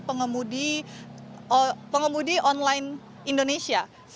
pengumum pengumum online indonesia